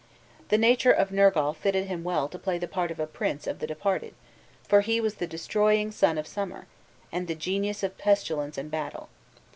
The nature of Nergal fitted him well to play the part of a prince of the departed: for he was the destroying sun of summer, and the genius of pestilence and battle.